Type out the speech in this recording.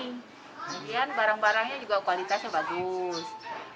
kemudian barang barangnya juga kualitasnya bagus